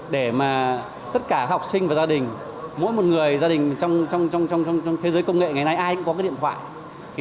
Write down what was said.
để mà tất cả học sinh và gia đình mỗi một người gia đình trong thế giới công nghệ ngày nay ai cũng có cái điện thoại